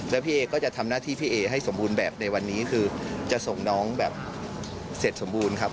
แล้วพี่เอก็จะทำหน้าที่พี่เอให้สมบูรณ์แบบในวันนี้คือจะส่งน้องแบบเสร็จสมบูรณ์ครับ